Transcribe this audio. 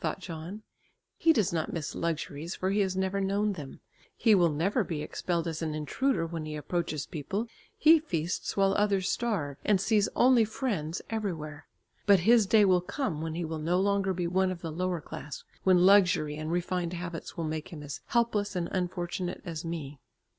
thought John. "He does not miss luxuries, for he has never known them; he will never be expelled as an intruder when he approaches people; he feasts while others starve, and sees only friends everywhere. But his day will come when he will no longer be one of the lower class, when luxury and refined habits will make him as helpless and unfortunate as me."